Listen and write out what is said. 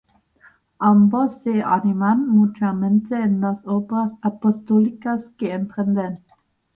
Ambos se animan mutuamente en las obras apostólicas que emprenden.